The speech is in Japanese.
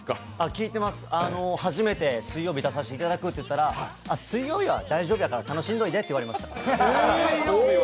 聞いてます、初めて水曜日に出させていただくと言ったら水曜日は大丈夫やから楽しんでおいでって言われました。